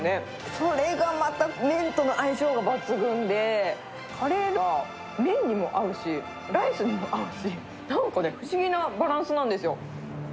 それがまた麺との相性が抜群で、カレーが麺にも合うし、ライスにも合うし、なんかね、不思議なバランスなんですよ。